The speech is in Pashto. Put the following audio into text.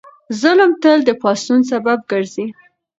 ظلم تل د پاڅون سبب ګرځي.